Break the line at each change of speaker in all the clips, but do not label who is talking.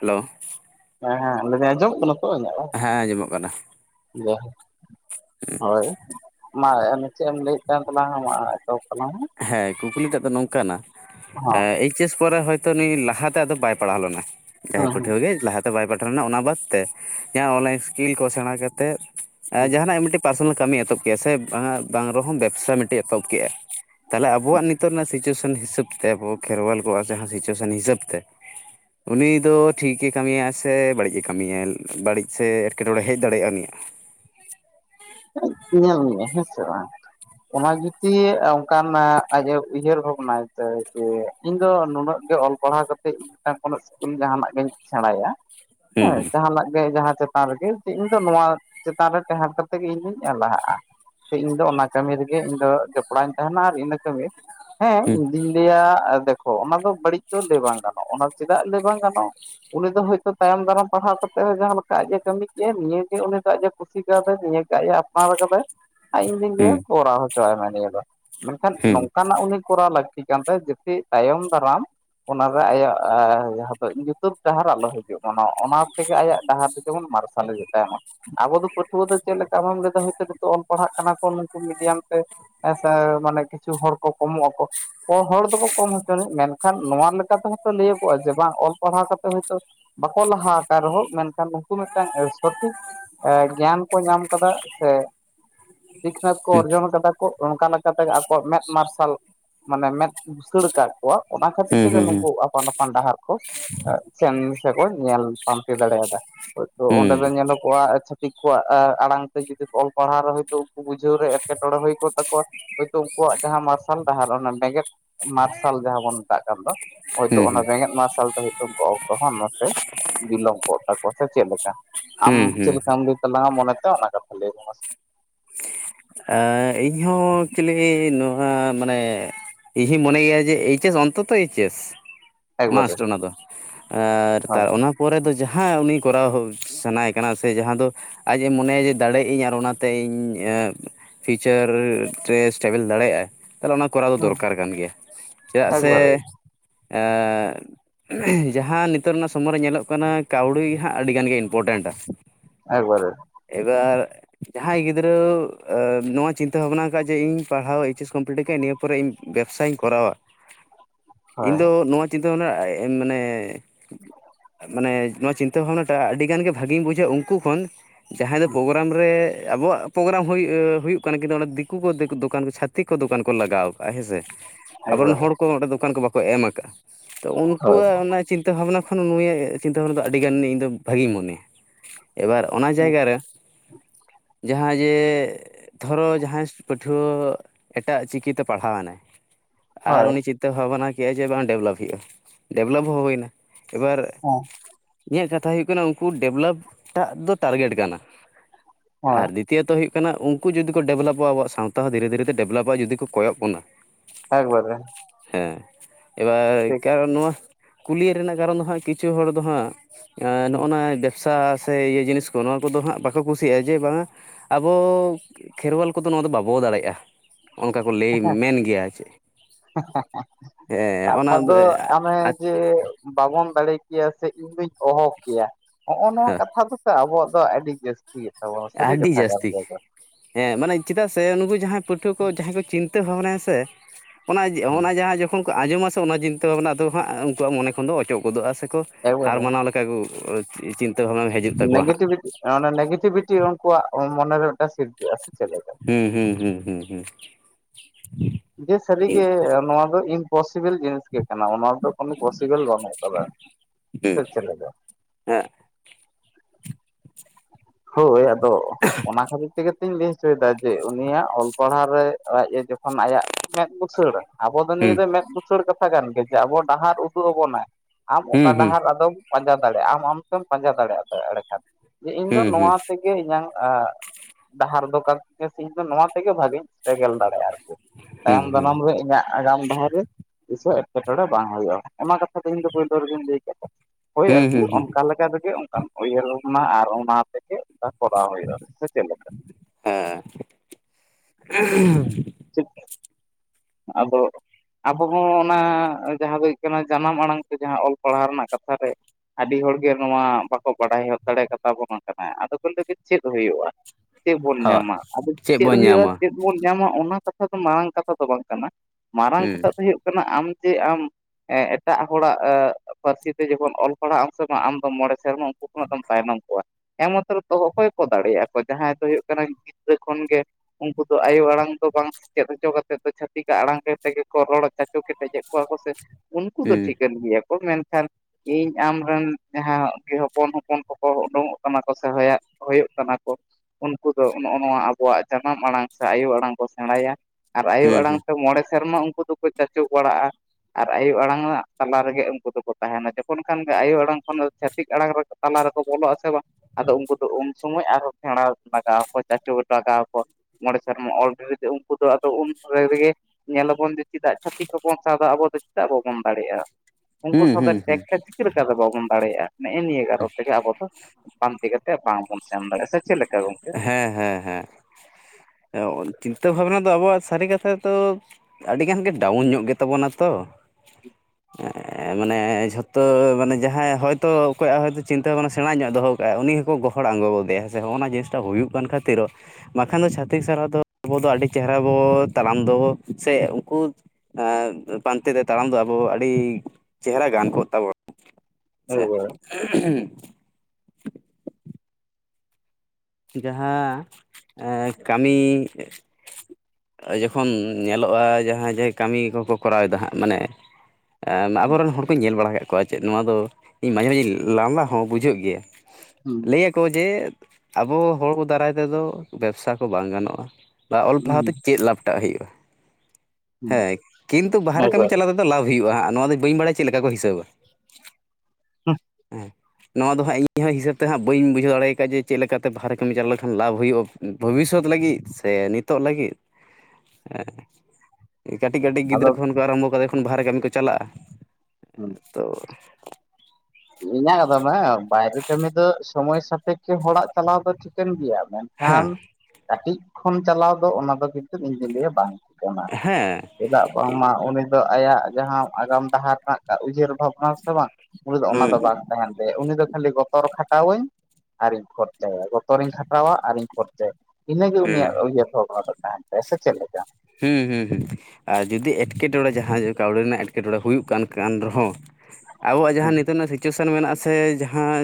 Hello,
ᱦᱮᱸ ᱦᱮᱸ ᱞᱟᱹᱭᱫᱟᱹᱧ ᱟᱸᱡᱚᱢᱚᱜ ᱠᱟᱱᱟ ᱛᱚ ᱤᱧᱟᱹᱜ
ᱦᱮᱸ ᱟᱸᱡᱚᱢᱚᱜ ᱠᱟᱱᱟ
ᱨᱚᱲ [unintelligible] ᱦᱳᱭ ᱢᱟ ᱪᱮᱜ ᱮᱢ ᱞᱟᱹᱭᱮ ᱠᱟᱱ ᱛᱟᱞᱟᱝ-ᱟ ᱮᱛᱚᱦᱚᱵ ᱛᱟᱞᱟᱝ
ᱦᱮᱸ
ᱢᱮ ᱦᱚᱸ
ᱪᱮᱥ ᱯᱚᱨᱮ ᱦᱚᱭᱛᱳ ᱱᱩᱭ ᱞᱟᱦᱟᱛᱮ ᱟᱫᱚ ᱵᱟᱭ ᱯᱟᱲᱦᱟᱣ ᱞᱮᱱᱟ ᱡᱟᱸᱦᱟᱭ
ᱦᱩᱸ
ᱯᱟᱹᱴᱷᱩᱣᱟᱹ ᱜᱮ ᱞᱟᱦᱟ ᱵᱟᱭ ᱵᱟᱴᱷᱟᱣ ᱞᱮᱱᱟ ᱚᱱᱟ ᱵᱟᱫᱛᱮ ᱡᱟᱦᱟᱸ ᱚᱱᱞᱟᱭᱤᱱ ᱥᱠᱤᱞ ᱠᱚ ᱥᱮᱬᱟ ᱠᱟᱛᱮᱫ
ᱦᱩᱸ
ᱡᱟᱦᱟᱱᱟᱜ ᱢᱤᱫᱴᱤᱡ ᱯᱟᱨᱥᱚᱱᱟᱞ ᱠᱟᱹᱢᱤ ᱮᱛᱚᱦᱚᱵ ᱠᱮᱜᱼᱟ ᱥᱮ ᱵᱟᱝᱼᱟ ᱵᱟᱝ ᱨᱮᱦᱚᱸ ᱵᱮᱵᱽᱥᱟ ᱢᱤᱫᱴᱤᱡ ᱮᱛᱚᱦᱚᱵ ᱠᱮᱜᱼᱟ ᱛᱟᱦᱚᱞᱮ ᱟᱵᱚᱣᱟᱜ ᱱᱤᱛᱚᱜ ᱨᱮᱱᱟᱜ ᱥᱤᱪᱩᱭᱮᱥᱚᱱ ᱦᱤᱥᱟᱹᱵ ᱛᱮ ᱟᱵᱚ ᱠᱷᱮᱨᱣᱟᱞ ᱠᱚᱜᱼᱟ ᱥᱮ ᱡᱟᱦᱟᱸ ᱥᱤᱪᱩᱭᱮᱥᱚᱱ ᱦᱤᱥᱟᱹᱵᱽ ᱛᱮ ᱩᱱᱤ ᱫᱚ ᱴᱷᱤᱠ ᱜᱮ ᱠᱟᱹᱢᱟᱭ ᱥᱮ ᱵᱟᱹᱲᱤᱡ ᱮ ᱠᱟᱹᱢᱤᱭᱟ ᱵᱟᱹᱲᱤᱡ ᱥᱮ ᱮᱴᱠᱮᱴᱚᱬᱮ ᱦᱮᱡ ᱫᱟᱲᱮᱭᱟᱜᱼᱟ ᱩᱱᱤᱭᱟᱜ
ᱧᱮᱞ ᱦᱩᱭᱩᱜ ᱦᱮᱸ ᱥᱮ ᱵᱟᱝ ᱚᱱᱟ ᱡᱩᱫᱤ ᱚᱱᱠᱟᱱ ᱩᱭᱦᱟᱹᱨ ᱵᱷᱟᱵᱽᱱᱟᱭ ᱡᱮ ᱤᱧ ᱫᱚ ᱱᱩᱱᱟᱹᱜ ᱜᱮ ᱚᱞ ᱯᱟᱲᱦᱟᱣ ᱠᱟᱛᱮ ᱢᱤᱫᱴᱟᱝᱱᱟᱜ ᱤᱥᱠᱩᱞ ᱡᱟᱦᱟᱱᱟᱜ ᱜᱤᱧ ᱥᱮᱬᱟᱭᱟ ᱦᱮᱸ
ᱦᱩᱸ
ᱡᱟᱦᱱᱟᱜ ᱜᱮ ᱡᱟᱦᱟᱸ ᱪᱮᱛᱟᱱ ᱨᱮᱜᱮ ᱤᱧ ᱫᱚ ᱱᱚᱣᱟ ᱪᱮᱛᱟᱱ ᱨᱮ ᱛᱟᱦᱮᱸ ᱛᱮᱜᱮ ᱤᱧᱫᱩᱧ ᱞᱟᱦᱟᱜᱼᱟ ᱤᱧ ᱫᱚ ᱚᱱᱟ ᱠᱟᱹᱢᱤ ᱨᱮᱜᱮ ᱤᱧ ᱫᱚ ᱡᱚᱯᱲᱟᱣ ᱤᱧ ᱛᱟᱦᱮᱱᱟ ᱟᱨ ᱤᱱᱟᱹ ᱠᱟᱹᱢᱤ ᱦᱮᱸ
ᱦᱩᱸ
ᱤᱧ ᱫᱩᱧ ᱞᱟᱹᱭᱟ ᱚᱱᱟ ᱫᱚ ᱵᱟᱹᱲᱤᱡ ᱫᱚ ᱞᱟᱹᱭ ᱵᱟᱝ ᱜᱟᱱᱚᱜᱼᱟ ᱚᱱᱟ ᱪᱮᱫᱟᱜ ᱞᱟᱹᱭᱵᱟᱝ ᱜᱟᱱᱚᱜᱼᱟ ᱩᱱᱤ ᱫᱚ ᱦᱚᱳᱭᱛᱳ ᱛᱟᱭᱚᱢ ᱫᱟᱨᱟᱢ ᱯᱟᱲᱦᱟᱣ ᱠᱟᱛᱮᱫ ᱡᱟᱦᱟᱸ ᱞᱮᱠᱟ ᱟᱡ ᱮ ᱠᱟᱹᱢᱤ ᱠᱮᱫᱟᱭ ᱱᱤᱭᱟᱹᱜᱮ ᱩᱱᱤ ᱫᱚ ᱟᱡ ᱮ ᱠᱩᱥᱤ ᱠᱟᱫᱟᱭ ᱱᱤᱭᱟᱹᱜᱮ ᱟᱡ ᱮᱭ ᱟᱯᱱᱟᱨ ᱠᱟᱫᱚ ᱟᱨ ᱤᱧᱫᱩᱧ ᱞᱟᱹᱭ-ᱟ
ᱦᱩᱸ
ᱠᱚᱨᱟᱣ ᱦᱚᱪᱚ-ᱟᱭ ᱢᱮ ᱱᱤᱭᱟᱹ ᱫᱚ ᱢᱮᱱᱠᱷᱟᱱ
ᱦᱩᱸ
ᱱᱚᱝᱠᱟ ᱠᱟᱱᱟᱜ ᱩᱱᱤ ᱠᱚᱨᱟᱣ ᱞᱟᱹᱠᱛᱤ ᱠᱟᱱ ᱛᱟᱭᱟ ᱡᱮᱛᱤ ᱛᱟᱭᱚᱢ ᱫᱟᱨᱟᱢ ᱚᱱᱟ ᱨᱮ ᱟᱭᱳ ᱡᱟᱦᱟᱸ ᱫᱚ ᱧᱩᱛᱟᱹᱛ ᱰᱟᱦᱟᱨ ᱟᱞᱚ ᱦᱤᱡᱩᱜᱼᱟ ᱚᱱᱟ ᱛᱮᱜᱮ ᱟᱭᱟᱜ ᱰᱟᱦᱟᱨ ᱫᱚ ᱡᱮᱢᱚᱱ ᱢᱟᱨᱥᱟᱞ ᱤᱫᱤᱜ ᱛᱟᱭᱚᱢᱚᱜ ᱟᱵᱚ ᱫᱚ ᱯᱟᱹᱴᱷᱩᱣᱟᱹ ᱫᱚ ᱠᱟᱨᱚᱱ ᱨᱮᱫᱚ ᱦᱚᱭᱛᱳ ᱱᱤᱛᱚᱜ ᱚᱞ ᱯᱟᱲᱦᱟᱜ ᱠᱟᱱᱟ ᱠᱚ ᱱᱩᱠᱩ ᱢᱤᱰᱤᱭᱟᱢ ᱛᱮ ᱦᱮᱸ ᱥᱮ ᱢᱟᱱᱮ ᱠᱤᱪᱷᱩ ᱦᱚᱲ ᱠᱚ ᱠᱚᱢᱚᱜ ᱟᱠᱚ ᱦᱚᱲ ᱫᱚᱠᱚ ᱠᱚᱢ ᱦᱚᱪᱚᱱᱚᱜ ᱢᱮᱱᱠᱷᱟᱱ ᱠᱷᱟᱱ ᱱᱚᱣᱟ ᱞᱮᱠᱟ ᱛᱮ ᱦᱚᱸᱛᱚ ᱞᱟᱹᱭᱟᱹᱜᱚᱜᱼᱟ ᱡᱮ ᱵᱟᱝ ᱚᱞ ᱯᱟᱲᱦᱟᱣ ᱠᱟᱛᱮ ᱦᱚᱭᱛᱳ ᱵᱟᱠᱚ ᱞᱟᱦᱟ ᱟᱠᱟᱱ ᱨᱮᱦᱚᱸ ᱢᱮᱱᱠᱷᱟᱱ ᱩᱠᱩ ᱢᱤᱫᱴᱟᱝ ᱥᱚᱴᱷᱤᱠ ᱜᱮᱭᱟᱱ ᱧᱟᱢ ᱠᱮᱫᱟ ᱥᱮ ᱥᱤᱠᱷᱱᱟᱹᱛ ᱠᱚ
ᱦᱩᱸ
ᱚᱨᱡᱚᱱ ᱟᱠᱟᱫᱟ ᱚᱱᱠᱟ ᱞᱮᱠᱟ ᱛᱮᱜᱮ ᱟᱠᱚᱣᱟᱜ ᱢᱮᱫ ᱢᱟᱨᱥᱟᱞ ᱢᱟᱱᱮ ᱢᱮᱫ ᱵᱷᱩᱥᱟᱹᱲ ᱠᱟᱜ ᱚᱱᱟ ᱠᱷᱟᱹᱛᱤᱨ
ᱦᱩᱸ
ᱛᱮᱜᱮ
ᱦᱩᱸ ᱦᱩᱸ
ᱱᱩᱠᱩ ᱟᱯᱟᱱ ᱟᱯᱤᱱ ᱰᱟᱦᱟᱨ ᱠᱚ ᱪᱤᱥ ᱠᱚ ᱧᱮᱞ ᱯᱟᱢᱛᱮ ᱫᱟᱲᱮᱭᱟᱫᱟᱼᱟ ᱦᱳᱭᱛᱚ ᱚᱸᱰᱮ
ᱦᱩᱸ
ᱵᱤᱱ ᱧᱮᱞ ᱠᱚᱣᱟ ᱪᱷᱟᱛᱤᱠ ᱠᱚᱣᱟᱜ ᱟᱲᱟᱝ ᱛᱮ ᱡᱩᱫᱤ ᱚᱞ ᱯᱟᱲᱦᱟᱣ ᱨᱮ ᱩᱱᱠᱩ ᱵᱩᱡᱷᱟᱹᱣ ᱨᱮ ᱮᱴᱠᱮᱴᱚᱬᱮ ᱦᱩᱭ ᱠᱚᱜ ᱛᱟᱠᱚᱣᱟ ᱦᱳᱭᱛᱳ ᱩᱱᱠᱩᱣᱟᱜ ᱡᱟᱦᱟᱸ ᱢᱟᱨᱥᱟᱞ ᱰᱟᱦᱟᱨ ᱚᱱᱟ ᱵᱮᱸᱜᱮᱫ ᱢᱟᱨᱥᱟᱞ ᱡᱟᱦᱟᱸ ᱵᱚᱱ ᱢᱮᱛᱟᱜ ᱠᱟᱱ ᱫᱚ ᱦᱚᱭᱛᱳ
ᱦᱩᱸ
ᱚᱱᱟ
ᱦᱩᱸ
ᱵᱮᱸᱜᱮᱫ ᱢᱟᱨᱥᱟᱞ ᱛᱮᱭ ᱩᱱ ᱚᱠᱛᱚ ᱦᱚᱸ ᱱᱚᱛᱮ ᱵᱤᱞᱚᱢ ᱠᱚᱜ ᱛᱟᱠᱚ-ᱟ ᱥᱮ ᱪᱮᱫ ᱞᱮᱠᱟ ᱟᱢ
ᱦᱩᱸ
ᱪᱮᱫ
ᱦᱩᱸ
ᱞᱮᱠᱟᱢ ᱞᱟᱹᱭ ᱛᱟᱞᱟᱝᱟ ᱢᱚᱱᱮᱛᱮ ᱚᱱᱟ ᱠᱟᱛᱷᱟ ᱞᱟᱹᱭ
ᱤᱧ ᱦᱚᱸ ᱮᱠᱪᱩᱞᱤ ᱱᱚᱣᱟ ᱦᱚᱸ ᱢᱟᱱᱮ ᱤᱧ ᱦᱚᱧ ᱢᱚᱱᱮ ᱜᱮᱭᱟ ᱡᱮ ᱮᱭᱤᱪ ᱮᱥ ᱚᱱᱛᱚᱛᱚ ᱮᱭᱤᱪ ᱮᱥ
ᱮᱠᱵᱟᱨᱮ
ᱢᱟᱥᱴ ᱚᱱᱟ ᱫᱚ
ᱦᱳᱭ
ᱟᱨ ᱚᱱᱟ ᱯᱚᱨᱮ ᱫᱚ ᱡᱟᱦᱟᱸ ᱩᱱᱤ ᱠᱚᱨᱟᱣ ᱥᱟᱱᱟᱭᱮ ᱠᱟᱱᱟ ᱥᱮ ᱡᱟᱦᱟᱸ ᱫᱚ ᱟᱡ ᱮ ᱢᱚᱱᱮᱭᱟ ᱡᱮ ᱫᱟᱲᱭᱟᱜ ᱟᱹᱧ ᱟᱨ ᱚᱱᱟᱛᱮ ᱤᱧ ᱯᱷᱤᱭᱩᱪᱟᱨ ᱨᱮ ᱥᱴᱨᱟᱜᱮᱞ ᱫᱟᱲᱮᱭᱟᱜ ᱟᱭ ᱛᱟᱦᱚᱞᱮ ᱚᱱᱟ ᱠᱚᱨᱟᱣ ᱫᱚ
ᱦᱩᱸ
ᱫᱚᱨᱠᱟᱨ ᱠᱟᱱ ᱜᱮᱭᱟ ᱪᱮᱫᱟᱜ ᱥᱮ
ᱮᱠᱵᱟᱨᱮ
ᱡᱟᱦᱟᱸ ᱱᱤᱛᱚᱜ ᱨᱮᱱᱟᱜ ᱥᱚᱢᱚᱭ ᱨᱮ ᱧᱮᱞᱚᱜ ᱠᱟᱱᱟ ᱠᱟᱹᱣᱰᱤ ᱦᱟᱸᱜ ᱟᱹᱰᱤ ᱜᱟᱱ ᱜᱮ ᱤᱱᱯᱳᱴᱮᱱᱴᱼᱟ
ᱮᱠ ᱵᱟᱨᱮ
ᱮᱵᱟᱨ ᱡᱟᱦᱟᱸᱭ ᱜᱤᱫᱽᱨᱟᱹ ᱱᱚᱣᱟ ᱪᱤᱱᱛᱟᱹ ᱵᱷᱟᱵᱽᱱᱟ ᱟᱠᱟᱫᱼᱟ ᱡᱮ ᱤᱧ ᱯᱟᱲᱦᱟᱣ ᱮᱭᱤᱪ ᱮᱥ ᱠᱚᱢᱯᱞᱤᱴ ᱟᱠᱟᱜᱼᱟ ᱱᱤᱭᱟᱹ ᱯᱚᱨᱮ ᱤᱧ ᱵᱮᱵᱽᱥᱟᱧ ᱠᱚᱨᱟᱣᱟ
[inaudible]
ᱤᱧ ᱫᱚ ᱱᱚᱣᱟ ᱪᱤᱱᱛᱟᱹ ᱵᱷᱟᱵᱽᱱᱟ ᱢᱟᱱᱮ ᱢᱟᱱᱮ ᱱᱚᱣᱟ ᱪᱤᱱᱛᱟᱹ ᱵᱷᱟᱵᱽᱱᱟ ᱴᱟᱜ ᱟᱹᱰᱤ ᱜᱟᱱ ᱜᱮ ᱵᱷᱟᱹᱜᱤᱧ ᱵᱩᱡᱷᱟᱹᱣᱟ ᱩᱱᱠᱩ ᱠᱷᱚᱱ ᱡᱟᱦᱟᱸᱭ ᱫᱚ ᱯᱨᱳᱜᱨᱟᱢ ᱨᱮ ᱟᱵᱚᱣᱟᱜ ᱯᱨᱳᱜᱨᱟᱢ ᱦᱩᱭᱩᱜ ᱦᱩᱭᱩᱜ ᱦᱩᱭᱩᱜ ᱠᱟᱱᱟ ᱠᱤᱱᱛᱩ ᱚᱸᱰᱮ ᱫᱤᱠᱩ ᱠᱚ ᱫᱚᱠᱟᱱ ᱪᱷᱟᱹᱛᱤᱠ ᱠᱚ ᱫᱚᱠᱟᱱ ᱠᱚ ᱞᱟᱜᱟᱣ ᱦᱮᱸ ᱥᱮ ᱟᱵᱚᱨᱤᱱ
ᱮᱠᱵᱟᱨᱮ
ᱦᱚᱲ ᱠᱚ ᱢᱤᱫᱴᱟᱹᱝ ᱫᱚᱠᱟᱱ ᱠᱚ ᱵᱟᱠᱚ ᱮᱢ ᱟᱠᱟᱟᱜᱼᱟ ᱛᱚ
ᱦᱳᱭ
ᱩᱱᱠᱩᱣᱟᱜ ᱚᱱᱟ ᱪᱤᱱᱛᱟᱹ ᱵᱷᱟᱵᱽᱱᱟ ᱠᱷᱚᱱ ᱱᱩᱭᱟᱜ ᱪᱤᱱᱛᱟᱹ ᱵᱷᱟᱵᱽᱱᱟ ᱫᱚ ᱟᱹᱰᱤ ᱜᱟᱱ ᱤᱧ ᱫᱚ ᱵᱷᱟᱹᱜᱤᱧ ᱢᱚᱱᱮᱭᱟ ᱮᱵᱟᱨ ᱚᱱᱟ ᱡᱟᱭᱜᱟ ᱨᱮ ᱡᱟᱦᱟᱸ ᱡᱮ ᱫᱷᱚᱨᱚ ᱡᱟᱦᱟᱸᱭ ᱯᱟᱹᱴᱷᱩᱣᱟᱹ ᱮᱴᱟᱜ ᱪᱤᱠᱤ ᱛᱮ ᱯᱟᱲᱦᱟᱣ ᱮᱱᱟᱭ ᱟᱨ
ᱦᱳᱭ
ᱩᱱᱤ ᱪᱤᱠᱤ ᱵᱷᱟᱵᱽᱱᱟ ᱠᱮᱫᱼᱟ ᱡᱮ ᱵᱟᱝ ᱰᱮᱵᱷᱞᱚᱯ ᱦᱩᱭᱩᱜᱼᱟ ᱰᱮᱵᱷᱞᱚᱯ ᱦᱚᱸ ᱦᱩᱭ ᱮᱱᱟ ᱮᱵᱟᱨ ᱤᱧᱟᱹᱜ ᱠᱟᱛᱷᱟ ᱦᱩᱭᱩᱜ ᱠᱟᱱᱟ ᱩᱱᱠᱩ ᱰᱮᱵᱷᱞᱚᱯ ᱴᱟᱜ ᱫᱚ ᱴᱟᱨᱜᱮᱴ ᱠᱟᱱᱟ
ᱦᱳᱭ
ᱟᱨ ᱯᱛᱚ ᱦᱩᱭᱩᱜᱜ ᱠᱟᱱᱟ ᱩᱱᱠᱩ ᱡᱩᱫᱤ ᱠᱚ [inaudible] ᱰᱮᱵᱷᱞᱚᱯᱚᱜᱼᱟ ᱟᱵᱚ ᱥᱟᱶᱛᱟ ᱦᱚᱸ ᱫᱷᱤᱨᱮ ᱫᱷᱤᱨᱮ ᱛᱮ ᱰᱮᱵᱷᱞᱚᱯᱼᱟ ᱡᱩᱫᱤ ᱠᱚᱭᱚᱜᱚᱱᱟ᱾ [unintelligible]
ᱮᱠ ᱵᱟᱨᱮ
ᱦᱮᱸ ᱮᱵᱟᱨ ᱠᱟᱨᱚᱱ ᱱᱚᱣᱟ ᱠᱩᱞᱤᱭ ᱨᱮᱱᱟᱜ ᱠᱟᱨᱚᱱ ᱫᱚ ᱦᱟᱸᱜ, ᱠᱤᱪᱷᱩ ᱦᱚᱲ ᱫᱚ ᱦᱟᱸᱜ ᱱᱚᱜᱼᱚ ᱱᱚᱣᱟ ᱵᱮᱵᱽᱥᱟ ᱥᱮ ᱤᱭᱟᱹ ᱡᱤᱱᱤᱥ ᱠᱚ ᱱᱚᱣᱟ ᱠᱚᱫᱚ ᱦᱟᱸᱜ ᱵᱟᱠᱚ ᱠᱩᱥᱤᱭᱟᱜᱼᱟ, ᱡᱮ ᱵᱟᱝᱟ ᱟᱵᱚ ᱠᱷᱮᱨᱣᱟᱞ ᱠᱚᱫᱚ ᱱᱚᱣᱟ ᱫᱚ ᱵᱟᱵᱚ ᱫᱟᱲᱮᱭᱟᱜᱼᱟ, ᱚᱱᱠᱟ ᱠᱚ ᱞᱟᱹᱭ ᱢᱮᱱ ᱜᱮᱭᱟ ᱪᱮ ᱦᱮᱸ
ᱠᱟᱛᱷᱟ
ᱚᱱᱟ
ᱫᱚ ᱟᱮ [unintelligible] ᱡᱮ ᱵᱟᱵᱚᱱ ᱫᱟᱲᱮ ᱠᱮᱭᱟ ᱥᱮ ᱤᱧ ᱫᱩᱧ ᱚᱦᱚᱸ ᱠᱮᱭᱟ᱾ ᱱᱚᱜᱼᱚ ᱱᱚᱣᱟ ᱠᱟᱛᱷᱟ ᱫᱚᱤᱮ ᱟᱵᱚᱣᱟᱜ ᱫᱚ ᱟᱹᱰᱤ ᱡᱟᱹᱥᱛᱤ ᱜᱮ ᱛᱟᱵᱚᱟ ᱥᱟᱹᱨᱤ
ᱟᱹᱰᱤ
ᱠᱟᱛᱷᱟ ᱠᱟᱱ
ᱡᱟᱹᱥᱛᱤ
ᱜᱮᱭᱟ᱾
ᱦᱮᱸ ᱢᱟᱱᱮ ᱪᱮᱫᱟᱜ ᱥᱮ ᱱᱩᱠᱩ ᱡᱟᱦᱟᱸᱭ ᱯᱟᱹᱴᱷᱩᱣᱟᱹ ᱠᱚ‌ ᱡᱟᱦᱟᱸᱭ ᱠᱚ ᱪᱤᱱᱛᱟᱹ ᱵᱷᱟᱵᱽᱱᱟᱭᱟ ᱥᱮᱼᱼ ᱚᱱᱟ ᱚᱱᱟ ᱡᱟᱦᱟᱸ ᱡᱚᱠᱷᱚᱱ ᱠᱚ ᱟᱸᱡᱚᱢᱟ ᱡᱮ ᱥᱮ ᱚᱱᱟ ᱪᱤᱱᱛᱟᱹ ᱫᱚᱦᱟᱱᱟ-ᱜ ᱫᱚ ᱦᱟᱸᱜ ᱩᱱᱠᱩᱣᱟᱜ ᱢᱚᱱᱮ ᱠᱷᱚᱱᱫᱚ ᱚᱪᱚᱜ ᱜᱚᱫᱚᱜᱼᱟ ᱥᱮᱠᱚ ᱦᱟᱨ
ᱮᱠᱵᱟᱨᱮ
ᱢᱟᱱᱟᱣ ᱞᱮᱠᱟ ᱠᱚ ᱪᱤᱱᱛᱟᱹ ᱵᱷᱟᱵᱽᱱᱟ ᱢᱮ
ᱱᱮᱜᱮᱴᱤᱵᱤᱴᱤ ᱚᱱᱟ ᱱᱮᱜᱮᱴᱤᱵᱷᱤᱴᱤ ᱩᱱᱠᱩᱣᱟᱜ ᱢᱚᱱᱮ ᱨᱮ ᱢᱤᱫᱴᱟᱝ ᱥᱤᱨᱡᱟᱹᱜᱼᱟ ᱞᱮᱠᱟ
ᱦᱮᱸ ᱦᱩᱸ ᱦᱩᱸ ᱦᱩᱸ ᱦᱮᱸ
ᱡᱮ ᱥᱟᱹᱨᱤᱜᱮ ᱱᱚᱣᱟ ᱫᱚ ᱤᱱᱯᱚᱥᱤᱵᱮᱞ ᱡᱤᱱᱤᱥ ᱜᱮ ᱠᱟᱱᱟ, ᱚᱱᱟ ᱫᱚᱼᱼ ᱠᱳᱱᱳ ᱯᱥᱤᱤᱵᱮᱞ ᱵᱟᱝᱟᱹᱱᱩᱜ ᱠᱟᱫᱟᱢ ᱥᱮ ᱪᱮᱫ ᱞᱮᱠᱟ
ᱦᱮᱸ
ᱦᱳᱭ, ᱟᱫᱚ ᱚᱱᱟ ᱠᱷᱟᱹᱛᱤᱨ ᱛᱮᱜᱮ ᱤᱧ ᱫᱚ ᱞᱟᱹᱭ ᱦᱚᱪᱚᱭᱮᱫᱟ ᱡᱮ ᱩᱱᱤᱭᱟᱜ ᱚᱞ ᱯᱟᱲᱦᱟᱣ ᱨᱮ ᱟᱡ ᱡᱚᱠᱷᱚᱱ ᱟᱭᱟᱜ ᱢᱮᱸᱫ ᱢᱩᱥᱟᱹᱲ ᱟᱵᱚ ᱫᱚ ᱱᱤᱭᱟᱹ ᱫᱚ ᱢᱮᱫ ᱵᱩᱥᱟᱹᱲ ᱠᱟᱛᱷᱟ ᱠᱟᱱ ᱜᱮᱭᱟ ᱡᱮ ᱟᱵᱚ ᱰᱟᱦᱟᱨ ᱩᱫᱩᱜᱽ ᱟᱵᱚᱱᱟᱭ᱾ ᱟᱢ ᱚᱠᱟ ᱰᱟᱦᱟᱨ ᱟᱫᱚᱢ ᱯᱟᱸᱡᱟ ᱫᱟᱲᱮᱭᱟᱜᱼᱟ᱾ ᱟᱢ ᱟᱢ ᱛᱮᱢ ᱯᱟᱸᱡᱟ ᱫᱟᱲᱮᱭᱟᱜᱼᱟ ᱮᱸᱰᱮ ᱠᱷᱟᱱ, ᱡᱮ ᱤᱧ ᱫᱚ ᱱᱚᱣᱟ
ᱦᱩᱸ
ᱛᱮ ᱤᱧᱟᱹᱜ ᱰᱟᱦᱟᱨ ᱫᱚᱠᱟᱨ ᱥᱮ ᱤᱧ ᱫᱚ ᱱᱚᱣᱟ ᱛᱮᱜᱮ ᱵᱷᱟᱜᱤᱧ ᱥᱮᱸᱜᱮᱞ ᱫᱟᱲᱮᱭᱟᱜᱼᱟ ᱟᱨᱠᱤ᱾ ᱛᱟᱭᱚᱢ
ᱦᱩᱸ
ᱫᱟᱨᱟᱢ ᱨᱮ ᱤᱧᱟᱹᱜᱼᱼ ᱟᱜᱟᱢ ᱵᱟᱦᱟᱨᱮ ᱛᱤᱥᱚ ᱮᱴᱠᱮᱴᱚᱬᱮ ᱵᱟᱝ ᱦᱩᱭᱩᱜᱼᱟ, ᱚᱱᱟ ᱠᱟᱛᱷᱟ ᱫᱚ ᱤᱧ ᱫᱚ ᱯᱩᱭᱞᱩ ᱨᱮᱜᱤᱧ ᱞᱟᱹᱭ ᱟᱠᱟᱫ ᱦᱚᱭ ᱟᱨᱠᱤ
ᱦᱩᱸ ᱦᱩᱸ
ᱚᱱᱠᱟ ᱞᱮᱠᱟ ᱛᱮᱜᱮ ᱚᱱᱠᱟᱱ ᱩᱭᱦᱟᱹᱨᱵᱷᱟᱵᱽᱱᱟ ᱟᱨ ᱚᱱᱟ ᱛᱮᱜᱮ ᱠᱚᱨᱟᱣ ᱦᱭᱟᱼᱟ ᱥᱮ ᱪᱮᱫ ᱞᱮᱠᱟ?
ᱮ [inaudible]
[unintelligible] ᱟᱵᱚ ᱟᱵᱚ ᱦᱚᱸ ᱚᱱᱟ ᱡᱟᱦᱟᱸᱫᱚ ᱦᱩᱭᱩᱜ ᱠᱟᱱᱟ ᱡᱟᱱᱟᱢ ᱟᱲᱟᱝ ᱛᱮ ᱡᱟᱦᱟᱸ ᱚᱞ ᱯᱟᱲᱦᱟᱣ ᱨᱮᱱᱟᱜ ᱠᱟᱛᱷᱟ ᱨᱮᱼᱼ ᱟᱹᱰᱤ ᱦᱚᱲᱜᱮ ᱱᱚᱣᱟ ᱵᱟᱠᱚ ᱵᱟᱰᱟᱭ ᱦᱚ ᱫᱟᱲᱮ ᱠᱟᱛᱷᱟ ᱠᱚ ᱵᱟᱝ ᱠᱟᱱᱟ ᱟᱫᱚ ᱚᱠᱚᱭ ᱞᱟ. ᱜᱤᱫ ᱪᱮᱫ ᱦᱩᱭᱩᱜᱼᱟ? ᱪᱮᱫ ᱵᱚᱱ
ᱦᱳᱭ
ᱧᱟᱢᱟ ᱟᱫᱚ ᱪᱮᱫ
ᱵᱚᱱ
ᱦᱩᱭᱩᱜᱼᱟ
ᱧᱟᱢᱟ
ᱪᱮᱫ ᱵᱚᱱ ᱧᱟᱢᱟ ᱚᱱᱟ ᱠᱟᱛᱷᱟ ᱫᱚ ᱢᱟᱨᱟᱝ ᱠᱟᱛᱷᱟ ᱫᱚ ᱵᱟᱝ ᱠᱟᱱᱟ᱾ ᱢᱟᱨᱟᱝ
ᱦᱩᱸ
ᱠᱟᱛᱷᱟ ᱫᱚ ᱦᱩᱭᱩᱜ ᱠᱟᱱᱟ ᱟᱢ ᱡᱮ ᱟᱢ ᱮ ᱮᱴᱟᱜ ᱦᱚᱲᱟᱜ ᱯᱟᱹᱨᱥᱤ ᱛᱮ ᱡᱚᱠᱷᱚᱱ ᱚᱞ ᱯᱟᱲᱦᱟᱜ ᱟᱢ ᱥᱮ ᱵᱟᱝ ᱟᱢ ᱫᱚ ᱢᱚᱬᱮ ᱥᱮᱨᱢᱟ ᱩᱱᱠᱩ ᱠᱷᱚᱱᱟᱜ ᱫᱚᱢᱼᱼ ᱛᱟᱭᱱᱚᱢ ᱠᱚᱣᱟ ᱮᱠᱢᱟᱛᱨᱚ ᱛᱚ ᱚᱠᱚᱚᱭ ᱠᱚ ᱫᱟᱲᱮᱭᱟᱜᱼᱟ ᱠᱚ ᱡᱟᱦᱟᱸᱭ ᱫᱚ ᱦᱩᱭᱩᱜ ᱠᱟᱱᱟ ᱜᱤᱫᱽᱨᱟᱹ ᱠᱷᱚᱱ ᱜᱮᱼᱼ ᱩᱱᱠᱩ ᱫᱚ ᱟᱭᱳ ᱟᱲᱟᱝ ᱫᱚ ᱵᱟᱝ ᱥᱮ ᱪᱮᱫ ᱦᱚᱪᱚ ᱠᱟᱛᱮᱮᱫ ᱫᱚ ᱪᱷᱟᱛᱤᱠ ᱪᱤᱠᱟ ᱟᱲᱟᱝ ᱠᱟᱛᱮ ᱜᱮ ᱠᱚ ᱨᱚᱲ ᱪᱟᱪᱚ ᱠᱮᱴᱮᱡᱮᱫ ᱠᱚᱣᱟ ᱠᱚ ᱥᱮ ᱩᱱᱠᱩ ᱫᱚ
ᱦᱩᱸ
ᱴᱷᱤᱠᱟᱹᱱ ᱜᱮᱭᱟ ᱠᱚ, ᱢᱮᱱᱠᱷᱟᱱ ᱤᱧ ᱟᱢ ᱨᱮᱱ ᱡᱟᱦᱟᱸ ᱜᱮ ᱦᱚᱯᱚᱱ ᱦᱚᱯᱚᱱ ᱠᱚᱠᱚ ᱩᱰᱩᱝᱚᱜ ᱠᱟᱱᱟ ᱠᱚ ᱥᱮ, ᱦᱚᱭᱟᱜ ᱦᱩᱭᱩᱜ ᱠᱟᱱᱟ ᱠᱚ, ᱩᱱᱠᱩ ᱫᱚ ᱱᱚᱜᱼᱚ ᱱᱚᱣᱟ ᱟᱵᱚᱣᱟᱜ ᱡᱟᱱᱟᱢ ᱟᱲᱟᱝ ᱥᱮ ᱟᱭᱳ ᱟᱲᱟᱝ ᱠᱚ ᱥᱮᱬᱟᱭᱟ᱾ ᱟᱨ ᱟᱭᱳ
ᱦᱩᱸ
ᱟᱲᱟᱝ
ᱦᱩᱸ
ᱛᱮ ᱢᱚᱬᱮ ᱥᱮᱨᱢᱟ ᱩᱱᱠᱩ ᱫᱚᱠᱚ ᱪᱟᱪᱚ ᱵᱟᱲᱟᱜᱼᱟ᱾ ᱟᱨ ᱟᱭᱳ ᱟᱲᱟᱝᱟ ᱛᱟᱞᱟ ᱨᱮᱜᱮ ᱩᱱᱠᱩ ᱫᱚᱠᱚ ᱛᱟᱦᱮᱸᱱᱟ, ᱡᱚᱠᱷᱚᱱ ᱠᱷᱟᱱ ᱜᱮ ᱟᱭᱳ ᱟᱲᱟᱝ ᱠᱷᱚᱱ ᱪᱷᱟᱹᱛᱤᱠ ᱟᱲᱟᱝ ᱨᱮᱼᱼ ᱛᱟᱞᱟ ᱨᱮᱠᱚ ᱵᱚᱞᱚᱜᱼᱟ ᱥᱮ ᱵᱟᱝᱼᱼ ᱟᱫᱚ ᱩᱱᱠᱩ ᱫᱚ ᱩᱱ ᱥᱚᱢᱚᱭ ᱟᱨᱦᱚᱸ ᱥᱮᱬᱟ ᱞᱟᱜᱟᱣ ᱟᱠᱚᱣᱟ ᱪᱟᱪᱳ ᱞᱟᱜᱟᱣᱟ ᱠᱚᱣᱟ ᱾ ᱢᱚᱬᱮ ᱥᱮᱨᱢᱟ ᱚᱞ ᱛᱮ ᱩᱱᱠᱩ ᱫᱚ ᱟᱫᱚ ᱥᱚᱢᱚᱭ ᱜᱮ ᱧᱮᱞ ᱟᱵᱚᱱ ᱡᱮ ᱪᱮᱫᱟᱜ ᱪᱷᱟᱹᱛᱤᱠ ᱦᱚᱯᱚᱱ ᱥᱟᱶ ᱫᱚ ᱟᱵᱚ ᱫᱚ ᱪᱮᱫᱟᱜ ᱵᱟᱵᱚᱱ ᱫᱟᱲᱮᱭᱟᱜᱼᱟ ᱩᱱᱠᱩ
ᱦᱩᱸ
ᱥᱟᱶᱛᱮ
ᱦᱩᱸ ᱦᱩᱸ
ᱴᱮᱠᱠᱟᱼᱼ ᱪᱮᱫ ᱞᱮᱠᱟᱛᱮ ᱵᱟᱵᱚᱱ ᱫᱟᱲᱮᱭᱟᱜᱼᱟ ᱱᱮᱜᱼᱮ ᱱᱤᱭᱟᱹ ᱠᱟᱨᱚᱱ ᱛᱮᱜᱮ ᱟᱵᱚ ᱫᱚ᱾ ᱯᱟᱱᱛᱮ ᱠᱟᱛᱮᱫ ᱵᱟᱝᱵᱚᱱ ᱥᱮᱱ ᱫᱟᱲᱮᱭᱟᱜᱼᱟ ᱥᱮ ᱪᱮᱫ ᱞᱮᱠᱟ ᱜᱚᱝᱠᱮ?
ᱦᱮᱸ ᱦᱮᱸ ᱦᱮᱸ ᱪᱤᱱᱛᱟᱹ ᱵᱷᱟᱵᱽᱱᱟ ᱫᱚ ᱟᱵᱚᱣᱟᱜ, ᱥᱟᱹᱨᱤ ᱠᱟᱛᱷᱟ ᱛᱚ ᱟᱹᱰᱤ ᱜᱟᱱ ᱜᱮ ᱰᱟᱣᱩᱱ ᱧᱚᱜ ᱜᱮᱛᱟᱵᱚᱱᱟ ᱛᱚ᱾
[inaudible]
ᱢᱟᱱᱮ ᱡᱷᱚᱛᱚ ᱢᱟᱱᱮ ᱡᱟᱦᱟᱸᱭ ᱦᱚᱭᱛᱚ ᱚᱠᱚᱭᱟᱜ ᱦᱚᱭᱛᱚ ᱪᱤᱱᱛᱟᱹ ᱵᱷᱟᱵᱽᱱᱟ ᱥᱮᱬᱟᱧᱚᱜ ᱫᱚᱦᱚ ᱩᱱᱤ ᱦᱚᱸᱠᱚ ᱜᱚᱦᱚᱲ ᱟᱬᱜᱚ ᱜᱚᱫᱮᱭᱟ ᱦᱮᱸᱥᱮ ᱦᱚᱸᱜ ᱚᱱᱟ ᱡᱤᱱᱤᱥ ᱴᱟᱜ ᱦᱩᱭᱩᱜ ᱠᱟᱱ ᱠᱷᱟᱹᱛᱤᱨ ᱦᱚᱸ ᱵᱟᱠᱷᱟᱱ ᱫᱚ ᱪᱷᱟᱹᱛᱤᱠ ᱥᱟᱨᱟ ᱫᱚ ᱟᱵᱚ ᱫᱚ ᱟᱹᱰᱤ ᱪᱮᱦᱨᱟ ᱵᱚ ᱛᱟᱲᱟᱢ ᱫᱚ ᱥᱮ ᱩᱱᱠᱩ ᱮᱸ ᱯᱟᱱᱛᱮ ᱛᱮ ᱛᱟᱲᱟᱢ ᱫᱚ ᱟᱵᱚ ᱟᱹᱰᱤ ᱪᱮᱦᱨᱟ ᱜᱟᱱ ᱠᱚᱜ ᱛᱟᱵᱚᱱᱟ ᱥᱮ ᱩᱸ ᱦᱩᱸ ᱡᱟᱦᱟᱸ ᱮᱸ ᱠᱟᱹᱢᱤ ᱡᱚᱠᱷᱚᱱ ᱧᱮᱞᱚᱜᱼᱟ ᱡᱟᱦᱟᱸ ᱡᱮ ᱠᱟᱹᱢᱤ ᱠᱚᱠᱚ ᱠᱚᱨᱟᱣᱮᱫᱟ ᱦᱟᱸᱜ ᱢᱟᱱᱮ ᱟᱵᱚᱨᱮᱱ ᱦᱚᱲ ᱠᱚᱧ ᱧᱮᱞ ᱵᱟᱲᱟ ᱠᱟᱜ ᱠᱚᱣᱟ ᱪᱮᱫ ᱱᱚᱣᱟ ᱫᱚ ᱤᱧ ᱢᱟᱡᱷᱮ ᱢᱟᱡᱷᱮ ᱞᱟᱸᱫᱟ ᱦᱚᱸ ᱵᱩᱡᱷᱟᱹᱜ ᱜᱮᱭᱟ ᱞᱟᱹᱭᱟ ᱠᱚ ᱡᱮ ᱟᱵᱚ ᱦᱚᱲ ᱫᱟᱨᱟᱭ ᱛᱮᱫᱚ ᱵᱮᱵᱽᱥᱟ ᱠᱚ ᱵᱟᱝ ᱜᱟᱱᱚᱜᱼᱟ ᱵᱟ ᱚᱞ ᱯᱟᱲᱦᱟᱣ ᱛᱮ ᱪᱮᱫ ᱞᱟᱵᱷᱴᱟᱜ ᱦᱩᱭᱩᱜᱼᱟ ᱦᱮᱸ ᱠᱤᱱᱛᱩ ᱵᱟᱦᱨᱮ ᱠᱟᱹᱢᱤ ᱪᱟᱞᱟᱣ ᱫᱚ ᱫᱚ ᱞᱟᱵ ᱦᱩᱭᱩᱜᱼᱟ ᱦᱟᱸᱜ ᱱᱚᱣᱟ ᱫᱚ ᱵᱟᱹᱧ ᱵᱟᱲᱟᱭᱟ ᱪᱮᱫ ᱞᱮᱠᱟ ᱠᱚ ᱦᱤᱥᱟᱵ-ᱟ ᱦᱮᱸ ᱱᱚᱣᱟ ᱫᱚ ᱦᱟᱜ ᱤᱧ ᱦᱚᱸᱦᱤᱥᱟᱹᱵ ᱛᱮ ᱦᱟᱸᱜ ᱵᱟᱹᱧ ᱵᱩᱡᱷᱟᱹᱣ ᱫᱟᱲᱮ ᱟᱠᱟᱫᱟ ᱡᱮ ᱪᱮᱫ ᱞᱮᱠᱟᱛᱮ ᱵᱟᱦᱨᱮ ᱠᱟᱹᱢᱤ ᱪᱟᱞᱟᱣ ᱞᱮᱠᱷᱟᱱ ᱞᱟᱵᱷ ᱦᱩᱭᱩᱜᱼᱟ, ᱵᱷᱚᱵᱤᱥᱚᱛ ᱞᱟᱹᱜᱤᱫ ᱥᱮ ᱱᱤᱛᱚᱜ ᱞᱟᱹᱜᱤᱫ ᱦᱮᱸ ᱠᱟᱹᱴᱤᱡ ᱠᱟᱹᱴᱤᱡ ᱜᱤᱫᱽᱨᱟᱹ
ᱟᱫᱚ
ᱠᱷᱚᱱ ᱠᱚ ᱟᱨᱟᱢᱵᱷᱚ ᱮᱠᱷᱚᱱ ᱵᱟᱦᱨᱮ ᱠᱟᱹᱢᱤ ᱠᱚ ᱪᱟᱞᱟᱜᱼᱟ᱾
ᱦᱩᱸ
ᱛᱚ
ᱤᱧᱟᱹᱜ ᱫᱚ ᱦᱮ ᱵᱟᱭᱨᱮ ᱠᱟᱹᱢᱤ ᱫᱚ ᱥᱚᱢᱚᱭ ᱥᱟᱯᱮᱠᱷᱮ ᱦᱚᱲᱟᱜ ᱪᱟᱞᱟᱣ ᱫᱚ ᱴᱷᱤᱠᱟᱹᱱ ᱜᱮᱭᱟ ᱢᱮᱱ ᱠᱷᱟᱱ
ᱦᱮᱸ
ᱠᱟᱹᱴᱤᱡ ᱠᱷᱚᱱ ᱪᱟᱞᱟᱣ ᱫᱚ ᱚᱱᱟ ᱫᱚ ᱠᱤᱱᱛᱩ ᱤᱧᱫᱩᱧ ᱞᱟᱹᱭᱟ ᱵᱟᱝ
ᱦᱮᱸ
[unintelligible] ᱪᱮᱫᱟᱜ ᱵᱟᱝᱢᱟ ᱩᱱᱤ ᱫᱚ ᱟᱭᱟᱜ ᱡᱟᱦᱟᱸ ᱟᱜᱟᱢ ᱰᱟᱦᱟᱨ ᱨᱮᱱᱟᱜ ᱩᱭᱦᱟᱹᱨ ᱵᱷᱟᱵᱽᱱᱟ ᱥᱮ ᱵᱟᱝ ᱩᱱᱤ ᱫᱚ ᱚᱱᱟ ᱫᱚ ᱵᱟᱝ ᱛᱟᱦᱮᱱ ᱛᱮ ᱩᱱᱤ ᱫᱚ ᱠᱷᱟᱹᱞᱤ ᱜᱚᱛᱚᱨ ᱠᱷᱟᱴᱟᱣᱟᱹᱧ ᱟᱨᱤᱧ ᱠᱷᱨᱪᱟᱭᱟ ᱜᱚᱛᱚᱨᱤᱧ ᱠᱷᱟᱴᱟᱣᱟ ᱟᱨᱤᱧ ᱠᱷᱚᱨᱪᱟᱭᱟ ᱤᱱᱟᱹᱜ ᱜᱮ
ᱦᱩᱸ
ᱩᱱᱤᱭᱟᱜ ᱩᱭᱦᱟᱹᱨ ᱵᱷᱟᱵᱽᱱᱟ ᱫᱚ ᱛᱟᱦᱮᱱ ᱛᱟᱭᱟ᱾ ᱥᱮ ᱪᱮᱫ ᱞᱮᱠᱟ?
ᱦᱩᱸ ᱦᱩᱸ ᱦᱩᱸ ᱟᱨ ᱡᱩᱫᱤ ᱮᱴᱠᱮᱴᱚᱬᱮ ᱡᱟᱦᱟᱸ ᱠᱟᱹᱣᱰᱤ ᱨᱮᱱᱟᱜ ᱮᱴᱠᱮᱴᱚᱬᱮ ᱦᱩᱭᱩᱜ ᱠᱟᱱ ᱠᱟᱱ ᱨᱮᱦᱚᱸ ᱟᱵᱚᱣᱟᱜ ᱡᱟᱦᱟᱸ
ᱦᱮᱸ
ᱱᱤᱛᱳᱜ ᱨᱮᱱᱟᱜ ᱥᱤᱪᱩᱭᱮᱥᱚᱱ ᱢᱮᱱᱟᱜ ᱥᱮ ᱡᱟᱦᱟᱸ